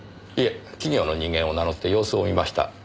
いえ企業の人間を名乗って様子を見ました。